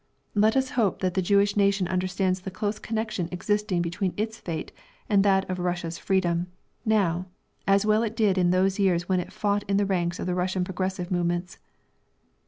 Let us hope that the Jewish nation understands the close connection existing between its fate and that of Russia's freedom, now, as well as it did in those years when it fought in the ranks of the Russian progressive movements.